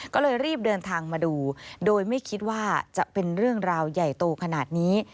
ก็เลยรีบเดินทางมาดูโดยไม่คิดว่าจะเป็นเรื่องราวใหญ่โตขนาดนี้